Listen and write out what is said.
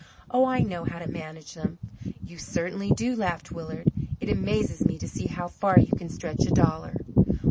Oh, I know how to manage them." "You certainly do," laughed Willard. "It amazes me to see how far you can stretch a dollar."